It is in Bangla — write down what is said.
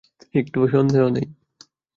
একটুও সন্দেহ নেই।